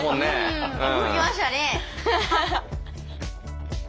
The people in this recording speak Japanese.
うん動きましたね。